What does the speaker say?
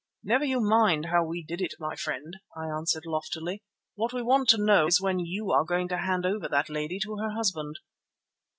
"Never you mind how we did it, my friend," I answered loftily. "What we want to know is when you are going to hand over that lady to her husband."